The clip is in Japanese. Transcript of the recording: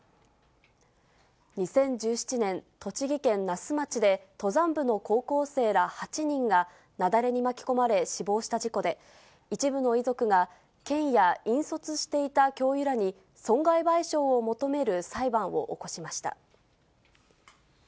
２０１７年、栃木県那須町で、登山部の高校生ら８人が、雪崩に巻き込まれ死亡した事故で、一部の遺族が県や引率していた教諭らに損害賠償を求める裁判を起こしました。